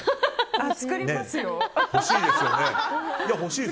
作りますよ。